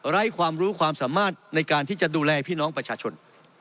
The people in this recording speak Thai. ความรู้ความสามารถในการที่จะดูแลพี่น้องประชาชน